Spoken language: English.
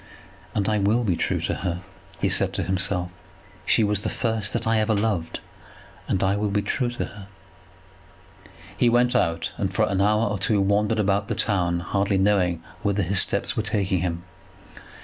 "And I will be true to her," he said to himself. "She was the first that I ever loved, and I will be true to her." He went out, and for an hour or two wandered about the town, hardly knowing whither his steps were taking him.